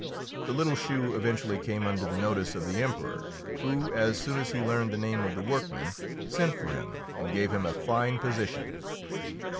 The little shoe eventually came under the notice of the Emperor, who, as soon as he learned the name of the workman, sent for him and gave him a fine position.